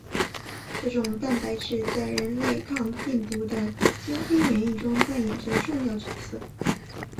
这种蛋白质在人类抗病毒的先天免疫中扮演着重要角色。